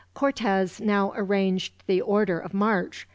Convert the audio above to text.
Cortez now arranged the order of march.